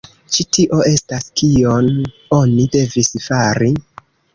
Ĉi tio estas kion oni devis fari.